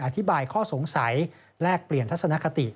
อธิบายข้อสงสัยแลกเปลี่ยนทัศนคติ